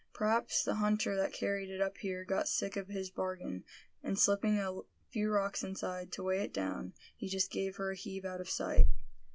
"P'raps the hunter that carried it up here got sick of his bargain; and slipping a few rocks inside, to weigh it down, he just gave her a heave out of sight."